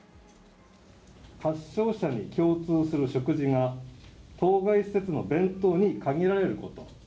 発症者に共通する食事が、当該施設の弁当に限られること。